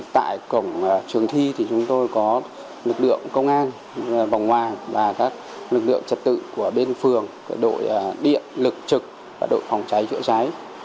tại cổng trường thi thì chúng tôi có lực lượng công an vòng hòa và các lực lượng trật tự của bên phường đội điện lực trực và đội phòng cháy chữa cháy